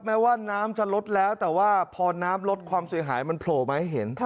แม้ว่าน้ำจะลดแล้วแต่ว่าพอน้ำลดความเสียหายมันโผล่มาให้เห็น